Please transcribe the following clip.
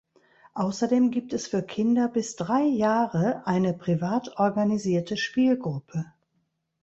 Außerdem gibt es für Kinder bis drei Jahre eine privat organisierte Spielgruppe.